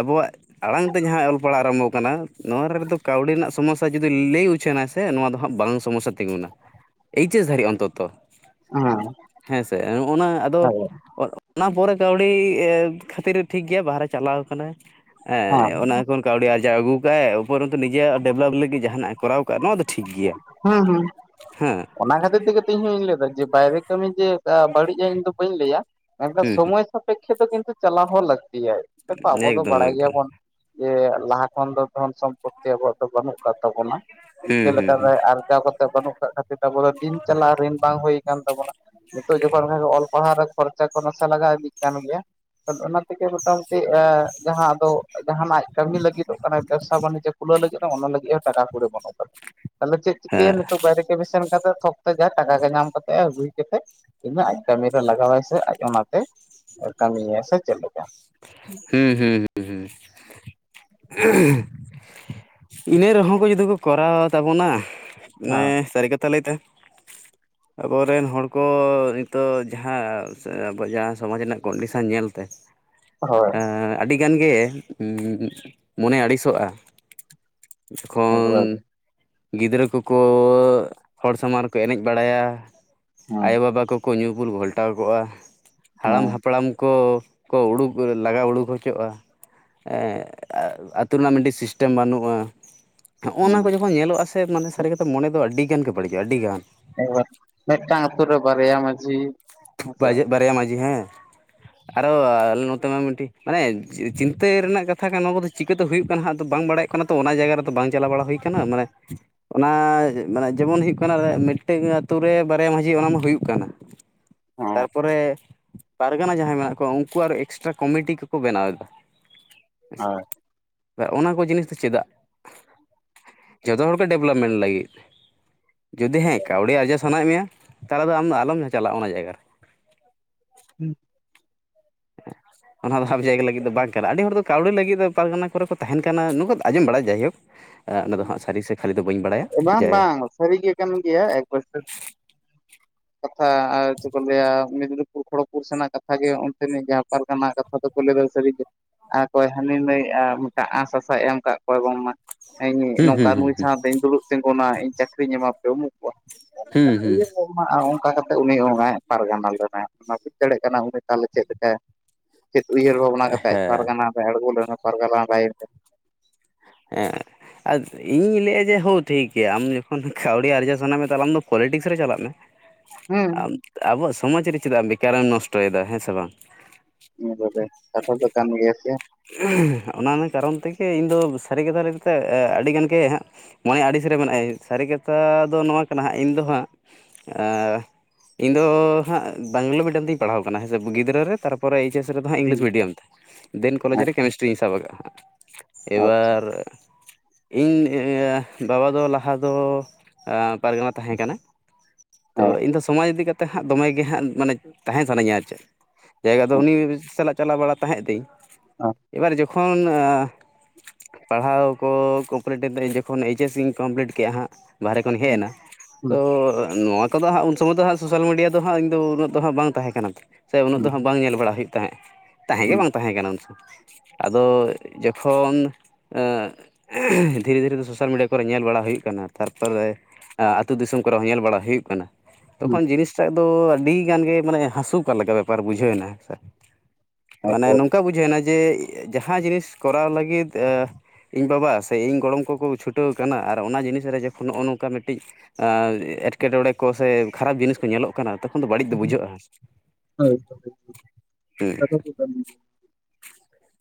ᱟᱵᱚᱣᱟᱜ ᱟᱲᱟᱝ ᱛᱮ ᱡᱟᱦᱟᱸ ᱚᱞ ᱯᱟᱲᱦᱟᱣ ᱟᱨᱚᱢᱵᱚ ᱠᱟᱱᱟ ᱱᱚᱣᱟ ᱨᱮᱫᱚ ᱠᱟᱹᱣᱰᱤ ᱨᱮᱱᱟᱜ ᱥᱚᱢᱚᱥᱟ ᱡᱩᱫᱤ ᱞᱟᱹᱭ ᱩᱪᱷᱱᱟ ᱥᱮ ᱱᱚᱣᱟ ᱫᱚ ᱦᱟᱸᱜ ᱵᱟᱝ ᱥᱚᱢᱚᱥᱟ ᱛᱤᱸᱜᱩᱱᱟ ᱮᱭᱤᱪ ᱮᱥ ᱫᱷᱟᱹᱨᱤᱡ ᱚᱱᱛᱚ
ᱦᱮᱸ
ᱦᱮᱸ ᱥᱮ ᱱᱚᱜᱼᱱᱟ ᱟᱫᱚ ᱚᱱᱟ ᱯᱚᱨᱮ ᱠᱟᱹᱣᱰᱤ ᱠᱷᱟᱹᱛᱤᱨ ᱴᱷᱤᱠ ᱜᱮᱭᱟ ᱵᱟᱦᱨᱮᱭ ᱪᱟᱞᱟᱣ ᱠᱟᱱᱟᱭ ᱦᱮᱸ ᱚᱱᱟ ᱠᱷᱚᱱ ᱠᱟᱹᱣᱰᱤ ᱟᱨᱟᱣ ᱟᱹᱜᱩ ᱠᱟᱜᱟᱭ ᱩᱯᱚᱨᱚᱱᱚ ᱱᱤᱡᱮᱨᱟᱜ ᱰᱮᱵᱷᱞᱚᱯ ᱞᱟᱹᱜᱤᱫ ᱡᱟᱦᱟᱱᱟᱜ ᱮ ᱠᱚᱨᱟᱣ ᱟᱠᱟᱫ ᱱᱚᱣᱟ ᱫᱚ ᱴᱷᱤᱠ ᱜᱮᱭᱟ᱾
ᱦᱩᱸ ᱦᱩᱸ
ᱦᱮᱸ
ᱚᱱᱟ ᱠᱷᱟᱹᱛᱤᱨ ᱛᱮᱜᱮ ᱤᱧᱦᱚᱧ ᱞᱟᱹᱭᱫᱟ ᱡᱮ ᱵᱟᱭᱨᱮ ᱠᱟᱹᱢᱤ ᱡᱮ ᱵᱟᱹᱲᱤᱡᱼᱟ ᱤᱧ ᱫᱚ ᱵᱟᱹᱧ ᱞᱟᱹᱭᱟ ᱢᱮᱱᱠᱷᱟᱱ
ᱦᱩᱸ
ᱥᱚᱢᱚᱭ ᱥᱟᱯᱮᱠᱷᱮ ᱫᱚ ᱠᱤᱱᱛᱩ ᱪᱟᱞᱟᱣ ᱦᱚᱸ ᱞᱟᱹᱠᱛᱤᱭᱟ ᱟᱵᱚ ᱫᱚ
ᱮᱠᱫᱚᱢ
ᱵᱟᱲᱟᱭ
ᱮᱠᱫᱚᱢ
ᱜᱮᱭᱟᱵᱚᱱ ᱡᱮ ᱞᱟᱦᱟ ᱠᱷᱚᱱ ᱫᱚ ᱫᱷᱚᱱ ᱥᱚᱢᱯᱚᱛᱤ ᱟᱵᱚᱣᱟᱜ ᱫᱚ ᱵᱟᱹᱱᱩᱜ ᱟᱠᱟᱫ ᱛᱟᱵᱚᱱᱟ ᱤᱱᱠᱟᱹ
ᱦᱩᱸ ᱦᱩᱸ ᱦᱩᱸ
ᱞᱮᱠᱟᱛᱮ ᱟᱨᱡᱟᱣ ᱠᱟᱛᱮ ᱵᱟᱹᱱᱩᱜ ᱠᱷᱟᱹᱛᱤᱨ ᱟᱵᱚ ᱫᱚ ᱫᱤᱱ ᱪᱟᱞᱟᱜ ᱨᱤᱱ ᱵᱟᱝ ᱦᱩᱭ ᱟᱠᱟᱱ ᱛᱟᱵᱚᱱᱟ ᱱᱤᱛᱚᱜ ᱡᱚᱠᱷᱚᱱ ᱚᱞ ᱯᱟᱲᱦᱟᱣ ᱨᱮ ᱠᱷᱚᱨᱪᱟ ᱠᱚ ᱱᱟᱥᱮ ᱞᱟᱜᱟᱣ ᱤᱫᱤᱜ ᱠᱟᱱ ᱜᱮᱭᱟ᱾ ᱟᱫᱚ ᱚᱱᱟ ᱛᱮᱜᱮ ᱢᱚᱴᱟᱢ ᱩᱴᱤ᱾ ᱡᱟᱦᱟᱸ ᱟᱫᱚ ᱡᱟᱦᱟᱱᱟᱜ ᱠᱟᱹᱢᱤ ᱞᱟᱹᱜᱤᱫᱚᱜ ᱠᱟᱱᱟ ᱵᱮᱵᱽᱥᱟ ᱵᱟᱱᱤᱡᱽᱡᱚ ᱠᱷᱩᱞᱟᱹᱣ ᱞᱟᱹᱜᱤᱫ ᱫᱚ ᱚᱱᱟ ᱞᱟᱹᱜᱤᱫ ᱦᱚᱸ ᱴᱟᱠᱟ ᱠᱚᱲᱤ ᱵᱟᱹᱱᱩᱜ ᱛᱟᱞᱤᱧᱟ᱾ ᱛᱟᱦᱚᱞᱮ ᱪᱮᱫ ᱪᱤᱠᱟᱹᱭᱟ
ᱦᱮᱸ
ᱱᱤᱛᱚᱜ ᱵᱟᱭᱨᱮᱵ ᱥᱮᱱ ᱠᱟᱛᱮ ᱛᱷᱚᱠ ᱡᱟ ᱴᱟᱠᱟ ᱜᱮ ᱧᱟᱢ ᱠᱟᱛᱮᱫ ᱟᱜᱩᱭ ᱠᱟᱛᱮᱫ ᱤᱧᱟᱜ ᱟᱡ ᱠᱟᱹᱢᱤᱨᱮ ᱞᱟᱜᱟᱣᱟᱭ ᱥᱮ ᱟᱡ ᱚᱱᱟᱛᱮ ᱠᱟᱹᱢᱤᱭᱟᱭ ᱥᱮ ᱪᱮᱫ ᱞᱮᱠᱟ
ᱦᱩᱸ ᱦᱩᱸ ᱦᱩᱸ ᱮᱸᱦᱮᱸ ᱤᱱᱟᱹ ᱨᱮᱦᱚᱸ ᱠᱚ ᱡᱩᱫᱤ ᱠᱚ ᱠᱚᱨᱟᱣᱟ ᱛᱟᱵᱚᱱᱟ ᱚᱱᱮ
ᱦᱮᱸ
ᱥᱟᱹᱨᱤ ᱠᱟᱛᱷᱟ ᱞᱟᱹᱭ ᱛᱮ
[inaudible]
ᱟᱵᱚᱨᱮᱱ ᱦᱚᱲ ᱠᱚ ᱱᱤᱛᱚᱜ ᱡᱟᱦᱟᱸ ᱟᱵᱚ ᱡᱟᱦᱟᱸ ᱥᱚᱢᱟᱡᱽ ᱨᱮᱱᱟᱜ ᱠᱚᱱᱰᱤᱥᱮᱱ ᱧᱮᱞᱛᱮ
ᱦᱳᱭ
ᱟᱹᱰᱤᱜᱟᱱ ᱜᱮ ᱢᱚᱱᱮ ᱟᱹᱲᱤᱥᱚᱜᱼᱟ ᱡᱚᱠᱷᱚᱱ
ᱮᱠᱵᱟᱨᱮ
ᱜᱤᱫᱽᱨᱟᱹ ᱠᱚᱠᱚ ᱦᱚᱲ ᱥᱟᱢᱟᱱ ᱨᱮᱠᱚ ᱮᱱᱮᱡ ᱵᱟᱲᱟᱭᱟ᱾
ᱦᱮᱸ
ᱟᱭᱳ-ᱵᱟᱵᱟ ᱠᱚᱠᱚ ᱧᱩ ᱵᱩᱞ ᱜᱷᱟᱞᱴᱟᱣ ᱠᱚᱜ-ᱟ ᱦᱟᱲᱟᱢ
ᱦᱮᱸ
ᱦᱟᱯᱲᱟᱢ ᱠᱚ ᱠᱚ ᱩᱰᱩᱠ- ᱯᱩᱨᱟᱹ ᱞᱟᱜᱟᱣ ᱩᱰᱩᱠ ᱦᱚᱪᱚᱜ-ᱟ ᱾ ᱟᱹᱛᱩ ᱨᱮᱱᱟᱜ ᱢᱤᱫᱴᱤᱡ ᱥᱤᱥᱴᱮᱢ ᱵᱟᱹᱱᱩᱜ-ᱟ ᱦᱚᱜ ᱱᱚᱣᱟ
ᱦᱮᱸ
ᱠᱚ ᱡᱚᱠᱷᱚᱱ ᱧᱮᱞᱚᱜ-ᱟ ᱥᱮ ᱢᱟᱱᱮ ᱥᱟᱹᱨᱤ ᱠᱟᱛᱷᱟ ᱢᱚᱱᱮ ᱫᱚ ᱟᱹᱰᱤ ᱜᱟᱱ ᱜᱮ ᱵᱟᱹᱲᱤᱡᱚᱜ-ᱟ ᱟᱹᱰᱤ ᱜᱟᱱ ᱾
[unintelligible] ᱢᱤᱫᱴᱟᱝ ᱟᱹᱛᱩ ᱨᱮ ᱵᱟᱨᱭᱟ ᱢᱟᱹᱡᱷᱤ
ᱵᱟᱡᱮᱜ ᱵᱟᱨᱭᱟ ᱢᱟᱺᱡᱷᱤ ᱦᱮᱸ ᱟᱨᱚᱞ ᱱᱚᱛᱮ ᱢᱟ ᱢᱤᱫᱴᱤᱡ ᱢᱟᱱᱮ ᱪᱤᱱᱛᱟᱹ ᱨᱮᱱᱟᱜ ᱠᱟᱛᱷᱟ ᱠᱟᱱᱟ ᱱᱚᱣᱟ ᱫᱚ ᱪᱤᱠᱟᱹᱛᱮ ᱦᱩᱭᱩᱜ ᱠᱟᱱᱟ ᱦᱟᱸᱜ ᱟᱫᱚ ᱵᱟᱝ ᱵᱟᱲᱟᱭᱚᱜ ᱠᱟᱱᱟ ᱛᱚ ᱚᱱᱟ ᱡᱟᱭᱜᱟ ᱨᱮᱫᱚ ᱵᱟᱝ ᱪᱟᱞᱟᱣ ᱵᱟᱲᱟ ᱦᱩᱭ ᱠᱟᱱᱟ ᱢᱟᱱᱮ ᱚᱱᱟ ᱢᱟᱱᱮ ᱡᱮᱢᱚᱱ ᱦᱩᱭᱩᱜ ᱠᱟᱱᱟ ᱢᱤᱫᱴᱮᱱ ᱟᱛᱳ ᱨᱮ ᱵᱟᱨᱭᱟ ᱢᱟᱺᱡᱷᱤ ᱚᱱᱟ ᱢᱟ ᱦᱩᱭᱩᱜ ᱠᱟᱱᱟ ᱾
ᱦᱮᱸ
ᱛᱟᱨᱯᱚ ᱨᱮ ᱯᱟᱨᱜᱟᱱᱟ ᱡᱟᱦᱟᱸᱭ ᱢᱮᱱᱟᱜ ᱠᱚᱣᱟ ᱩᱱᱠᱩ ᱟᱨ ᱮᱠᱥᱴᱨᱟ ᱠᱚᱢᱤᱴᱤ ᱠᱚᱠᱚ ᱵᱮᱱᱟᱣ ᱮᱫᱟ ᱦᱮᱸᱥᱮ᱾
ᱦᱳᱭ
ᱚᱱᱟ ᱠᱚ ᱡᱤᱱᱤᱥ ᱫᱚ ᱪᱮᱫᱟᱜ ᱡᱚᱛᱚ ᱦᱚᱲᱜᱮ ᱰᱮᱵᱷᱞᱚᱯᱢᱮᱱᱴ ᱞᱟᱹᱜᱤᱫ᱾ ᱡᱩᱫᱤ ᱦᱮᱸ ᱠᱟᱹᱣᱰᱤ ᱟᱨᱡᱟᱣ ᱥᱟᱱᱟᱭᱮᱫ ᱢᱮᱭᱟ ᱛᱟᱦᱚᱞᱮ ᱫᱚ ᱟᱢᱫᱚ ᱟᱞᱚᱢ ᱪᱟᱞᱟᱜ-ᱟ ᱚᱱᱟ ᱡᱟᱭᱜᱟ ᱨᱮ ᱾
[unintelligible]
ᱚᱱᱟ ᱫᱚ ᱟᱵ ᱡᱟᱭᱜᱟ ᱞᱟᱹᱜᱤᱫ ᱫᱚ ᱵᱟᱝ ᱠᱟᱱᱟ, ᱟᱹᱰᱤ ᱦᱚᱲ ᱫᱚ ᱠᱟᱹᱣᱰᱤ ᱞᱟᱹᱜᱤᱫ ᱫᱚ ᱯᱟᱨᱜᱟᱱᱟ ᱠᱚᱨᱮ ᱠᱚ ᱛᱟᱦᱮᱱ ᱠᱟᱱᱟ ᱱᱩᱠᱩ ᱫᱚ ᱟᱸᱚᱢ ᱵᱟᱲᱟ ᱡᱟᱭᱦᱳᱠ ᱚᱱᱟ ᱫᱚ ᱦᱟᱸᱜ ᱥᱟᱹᱨᱤ ᱥᱮ ᱠᱷᱟᱹᱞᱤ ᱫᱚ ᱵᱟᱹᱧ ᱵᱟᱲᱟᱭᱟ
ᱵᱟᱝ
ᱡᱮ
ᱵᱟᱝ ᱥᱟᱹᱨᱤ ᱜᱮ ᱠᱟᱱ ᱜᱮᱭᱟ ᱮᱠ ᱵᱚᱪᱷᱚᱨ ᱠᱟᱛᱷᱟ ᱟᱨ ᱪᱮᱫ ᱠᱚ ᱞᱟᱹᱭᱟ ᱢᱮᱫᱱᱤᱯᱩᱨ ᱠᱷᱚᱲᱚᱜᱯᱩᱨ ᱥᱮᱱᱟᱜ ᱠᱟᱛᱷᱟ ᱜᱮ ᱚᱱᱛᱮᱱᱤᱡ ᱡᱟᱦᱟᱸ ᱯᱟᱨᱜᱟᱱᱟ ᱠᱟᱛᱷᱟ ᱫᱚ ᱟᱨ ᱚᱠᱚᱭ ᱦᱟᱹᱱᱤ ᱱᱟᱹ ᱢᱤᱫᱴᱟᱝ ᱟᱸᱥ ᱦᱟᱥᱟ ᱮᱢ ᱟᱠᱟᱫ ᱠᱚᱣᱟᱭ ᱵᱟᱝᱢᱟ ᱤᱧ
ᱦᱩᱸ
ᱱᱚᱝᱠᱟ
ᱦᱩᱸ
ᱱᱩᱭ
ᱦᱩᱸ
ᱥᱟᱶ ᱫᱧ ᱫᱩᱲᱩᱵ ᱛᱤᱸᱜᱩᱱᱟ ᱤᱧ ᱪᱟᱹᱠᱨᱤᱧ ᱧᱟᱢᱟ
ᱦᱩᱸ ᱦᱩᱸ
ᱦᱟᱸᱜ ᱚᱱᱠᱟ ᱠᱟᱛᱮᱫ ᱩᱱᱤ ᱚᱟᱭ ᱯᱟᱨᱜᱟᱱᱟ ᱞᱮᱱᱟᱭ ᱚᱱᱟ ᱵᱩᱡᱽ ᱫᱟᱲᱮᱭᱟᱜ ᱠᱟᱱᱟ ᱩᱱᱤ ᱛᱟᱦᱚᱞᱮ ᱪᱮᱫ ᱞᱮᱠᱟᱭ ᱪᱮᱫ ᱩᱭᱦᱟᱹᱨ ᱵᱷᱟᱵᱱᱟ ᱠᱟᱛᱮᱫ ᱯᱟᱨᱜᱟᱱᱟ ᱨᱮ ᱟᱬᱜᱚ ᱞᱮᱱᱟ ᱯᱟᱨᱜᱟᱱᱟ ᱞᱟᱹᱭᱤᱱ ᱨᱮ?
ᱮᱸᱜ ᱟᱨ ᱤᱧ ᱞᱟᱹᱭᱮᱫ-ᱟ ᱡᱮ ᱦᱳᱭ ᱴᱷᱤᱠ ᱜᱮᱭᱟ ᱟᱢ ᱡᱚᱠᱷᱚᱱ ᱠᱟᱹᱣᱰᱤ ᱟᱨᱡᱟᱣ ᱥᱟᱱᱟ ᱢᱮᱭᱟ ᱛᱟᱦᱚᱞᱮ ᱟᱢ ᱫᱚ ᱯᱚᱞᱤᱴᱤᱠᱥ ᱨᱮ ᱪᱟᱞᱟᱜ ᱢᱮ ᱾
ᱦᱮᱸ
ᱟᱵᱚᱣᱟᱜ ᱥᱚᱢᱟᱡᱽ ᱨᱮ ᱪᱮᱫᱟᱜ ᱵᱮᱠᱟᱨᱮᱢ ᱱᱚᱥᱴᱚᱭᱮᱫᱟ ᱦᱮᱸ ᱥᱮ ᱵᱟᱝ
ᱧᱮᱞ ᱞᱮᱜᱮ ᱠᱟᱛᱷᱟ ᱫᱚ ᱠᱟᱱ ᱜᱮᱭᱟ ᱥᱮ
ᱚᱱᱟ ᱠᱟᱨᱚᱱ ᱛᱮᱜᱮ ᱤᱧᱫᱚ ᱥᱟᱹᱨᱤ ᱠᱟᱛᱷᱟ ᱟᱹᱰᱤᱜᱟᱱ ᱜᱮ ᱦᱟᱸᱜ ᱢᱚᱱᱮ ᱟᱹᱲᱤᱥ ᱨᱮ ᱢᱮᱱᱟᱜ-ᱟᱭ ᱥᱟᱹᱨᱤ ᱠᱟᱛᱷᱟ ᱫᱚ ᱱᱚᱣᱟ ᱠᱟᱱᱟ ᱦᱟᱸᱜ ᱤᱧᱫᱚ ᱦᱟᱸᱜ ᱤᱧᱫᱚ ᱦᱟᱸᱜ ᱵᱟᱝᱞᱟ ᱢᱤᱰᱤᱭᱟᱢ ᱛᱮᱧ ᱯᱟᱲᱦᱟᱣ ᱟᱠᱟᱱᱟ ᱦᱮᱸ ᱥᱮ ᱜᱤᱫᱽᱨᱟᱹ ᱨᱮ ᱛᱟᱨᱯᱚᱨ ᱛᱟᱨᱯᱚᱨᱮ ᱮᱤᱪ ᱮᱥ ᱨᱮᱫᱚ ᱦᱟᱸᱜ ᱤᱝᱞᱤᱥ ᱢᱤᱰᱤᱭᱟᱢ ᱛᱮ ᱫᱮᱱ ᱠᱚᱞᱮᱡᱽ ᱨᱮ
ᱟᱪᱪᱷᱟ
ᱠᱮᱢᱤᱥᱴᱨᱤᱧ ᱥᱟᱵ ᱟᱠᱟᱜ-ᱟ ᱦᱟᱸᱜ,
ᱟᱪᱪᱷᱟ
ᱮᱵᱟᱨ ᱤᱧ ᱟᱸ ᱵᱟᱵᱟ ᱫᱚ ᱞᱟᱦᱟ ᱫᱚ ᱯᱟᱨᱜᱟᱱᱟ ᱛᱟᱦᱮᱸ ᱠᱟᱱᱟᱭ ᱾ ᱛᱚ
ᱦᱮᱸ
ᱤᱧᱫᱚ ᱥᱚᱢᱟᱡᱽ ᱤᱫᱤ ᱠᱟᱛᱮᱫ ᱦᱟᱸᱜ ᱫᱚᱢᱮᱜ ᱜᱮ ᱦᱟᱸᱜ ᱢᱟᱱᱮ ᱛᱟᱦᱮᱸ ᱥᱟᱱᱟᱧᱟ ᱟᱨ ᱪᱮᱫ ᱡᱟᱭᱜᱟ ᱫᱚ ᱩᱱᱤ ᱥᱟᱞᱟᱜ ᱪᱟᱞᱟᱣ ᱵᱟᱲᱟ ᱛᱟᱦᱮᱸᱫ ᱛᱤᱧ
ᱚ
ᱮᱵᱟᱨ ᱡᱚᱠᱷᱚᱱ ᱯᱟᱲᱦᱟᱣ ᱠᱚ ᱠᱚᱯᱞᱤᱴ ᱡᱚᱠᱷᱚᱱ ᱮᱪᱮᱥ ᱤᱧ ᱠᱚᱢᱯᱞᱤᱴ ᱠᱮᱫ-ᱟ ᱦᱟᱸᱜ ᱵᱟᱦᱨᱮ ᱠᱷᱚᱱ ᱦᱮᱡ ᱮᱱᱟ
ᱦᱮᱸ
ᱛᱚ ᱱᱚᱣᱟ ᱠᱚᱫᱚ ᱦᱟᱸᱜ ᱩᱱ ᱥᱚᱢᱚᱭ ᱫᱚ ᱦᱟᱸᱜ ᱥᱚᱥᱟᱞ ᱢᱤᱰᱤᱭᱟ ᱫᱚ ᱦᱟᱸᱜ ᱤᱧᱫᱚ ᱩᱱᱟᱹᱜ ᱵᱟᱝ ᱛᱟᱦᱮᱸ ᱠᱟᱱᱟ ᱥᱮ ᱩᱱᱟᱹᱜ ᱫᱚ
ᱦᱮᱸ
ᱦᱜ ᱵᱟᱝ ᱧᱮᱞ ᱵᱟᱲᱟ ᱦᱩᱭᱩᱜ ᱠᱟᱱᱟ ᱛᱟᱦᱮᱸᱜ ᱛᱟᱦᱮᱸ ᱜᱮ
ᱦᱮᱸ
ᱵᱟᱝ ᱛᱟᱦᱮᱸ ᱠᱟᱱᱟ ᱩᱱ ᱥᱚᱢᱚᱭ ᱟᱫᱚ ᱡᱚᱠᱷᱚᱱ ᱫᱷᱤᱨᱮ ᱫᱷᱤᱨᱮ ᱫᱚ ᱥᱳᱥᱟᱞ ᱢᱤᱰᱤᱭᱟ ᱠᱚᱨᱮ ᱧᱮᱞ ᱵᱟᱲᱟ ᱦᱩᱭᱩᱜ ᱠᱟᱱᱟ ᱛᱟᱨᱯᱚᱨᱮ ᱟᱹᱛᱩ ᱫᱤᱥᱚᱢ ᱠᱚᱨᱮ ᱦᱚᱸ ᱧᱮᱞ ᱵᱟᱲᱟ ᱦᱩᱭᱩᱜ ᱠᱟᱱᱟ ᱾
ᱦᱮᱸ
ᱛᱚᱠᱷᱚᱱ ᱡᱤᱱᱤᱥᱴᱟᱜ ᱫᱚ ᱟᱹᱰᱤᱜᱟᱱ ᱜᱮ ᱢᱟᱱᱮ ᱦᱟᱹᱥᱩ ᱠᱟᱜ ᱞᱮᱠᱟ ᱵᱮᱯᱟᱨ ᱵᱩᱡᱷᱟᱹᱣ ᱮᱱᱟ ᱦᱮᱥᱮ ᱢᱟᱱᱮ ᱱᱚᱝᱠᱟ ᱵᱩᱡᱷᱟᱹᱣᱮᱱᱟ ᱡᱮ ᱡᱟᱦᱟᱸ ᱡᱤᱱᱤᱥ ᱠᱚᱨᱟᱣ ᱞᱟᱹᱜᱤᱫ ᱤᱧ ᱵᱟᱵᱟ ᱥᱮ ᱤᱧ ᱜᱚᱲᱚᱢ ᱠᱚᱠᱚ ᱪᱷᱩᱴᱟᱹᱣ ᱟᱠᱟᱱᱟ ᱟᱨ ᱚᱱᱟ ᱡᱤᱱᱤᱥ ᱨᱮ ᱡᱮᱠᱚᱱ ᱱᱚᱜ-ᱚᱭ ᱱᱚᱝᱠᱟ ᱢᱤᱫᱴᱤᱡ ᱮᱸ ᱮᱴᱠᱮᱴᱚᱬᱮ ᱠᱚ ᱥᱮ ᱠᱷᱟᱨᱟᱯ ᱡᱤᱱᱤᱥ ᱠᱚ ᱧᱮᱞᱚᱜ ᱠᱟᱱᱟ ᱛᱚᱠᱷᱚᱱ ᱫᱚ ᱵᱟᱲᱤᱡ ᱫᱚ ᱵᱩᱡᱷᱟᱹᱜ-ᱟ ᱦᱮᱸ ᱥᱮ, ᱦᱩᱸ᱾
[inaudible]